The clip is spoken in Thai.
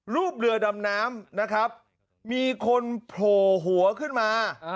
รูปเรือดำน้ำนะครับมีคนโผล่หัวขึ้นมา